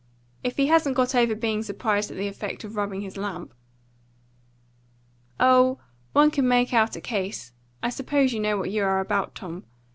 If he hasn't got over being surprised at the effect of rubbing his lamp." "Oh, one could make out a case. I suppose you know what you are about, Tom.